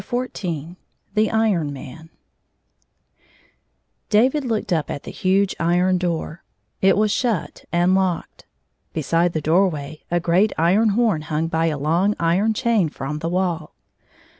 •38 xrv The Iron Man DAVID looked up at the huge iron door. It was shut and locked. Beside the doorway a great iron horn hung by a long u on chain from the wall.